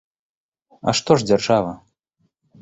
А што ж дзяржава?